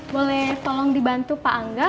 boleh tolong dibantu pak angga